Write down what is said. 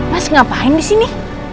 mas ngapain di sini